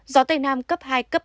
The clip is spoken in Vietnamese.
gió tây nam cấp hai cấp ba